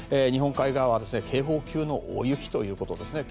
日本海側は警報級の大雪ということです。